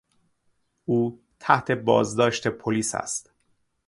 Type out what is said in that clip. او تحت بازداشت پلیس است.